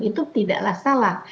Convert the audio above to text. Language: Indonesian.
itu tidaklah salah